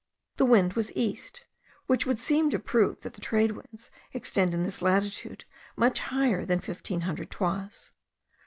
The wind was east, which would seem to prove that the trade winds extend in this latitude much higher than fifteen hundred toises.